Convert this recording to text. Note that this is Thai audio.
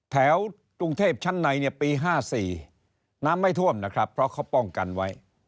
แถวกรุงเทพชั้นในปี๕๔น้ำไม่ท่วมนะครับเพราะเขาป้องกันไว้